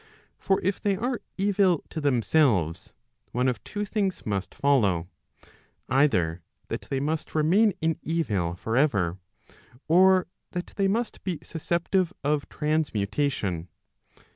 For if they are evil to themselves, one of two things must follow, either that they must remain in evil for ever, or that they must be susceptive of transmutation.